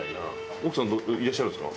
奥さんいらっしゃるんですか？